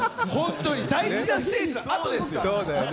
大事なステージのあとですから！